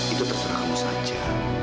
itu terserah kamu saja